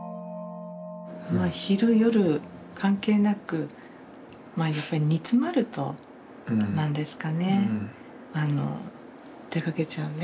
昼夜関係なくまあ煮詰まるとなんですかねあの出かけちゃうね